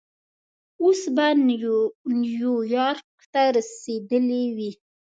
اوس به نیویارک ته رسېدلی وې.